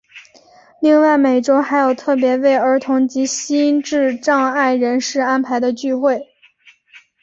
另外每周还有特别为儿童及心智障碍人士安排的聚会。